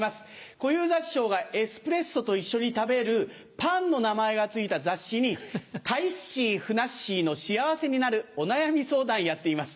小遊三師匠がエスプレッソと一緒に食べるパンの名前が付いた雑誌にたいっしーふなっしーの幸せになるお悩み相談やっています。